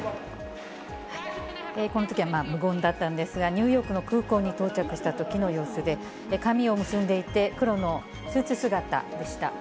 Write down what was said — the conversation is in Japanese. このときは無言だったんですが、ニューヨークの空港に到着したときの様子で、髪を結んでいて、黒のスーツ姿でした。